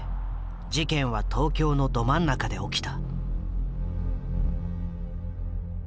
事件は東京のど真ん中で起きた。